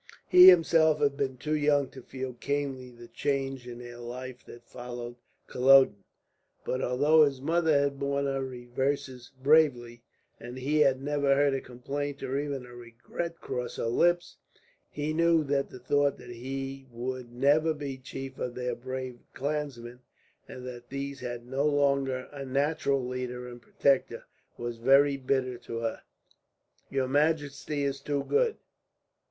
He himself had been too young to feel keenly the change in their life that followed Culloden; but although his mother had borne her reverses bravely, and he had never heard a complaint or even a regret cross her lips, he knew that the thought that he would never be chief of their brave clansmen, and that these had no longer a natural leader and protector, was very bitter to her. "Your majesty is too good.